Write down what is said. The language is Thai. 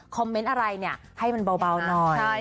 เมนต์อะไรเนี่ยให้มันเบาหน่อย